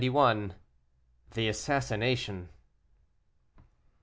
THE ASSASSINATION.